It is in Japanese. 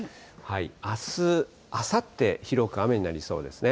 あす、あさって広く雨になりそうですね。